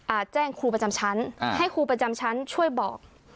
แจ้งครูประจำชั้นอ่าให้ครูประจำชั้นช่วยบอก